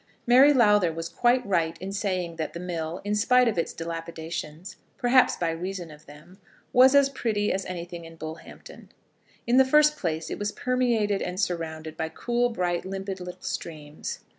Mary Lowther was quite right in saying that the mill, in spite of its dilapidations, perhaps by reason of them, was as pretty as anything in Bullhampton. In the first place it was permeated and surrounded by cool, bright, limpid little streams.